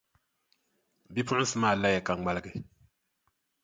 Bipuɣinsi maa laya ka ŋmaligi.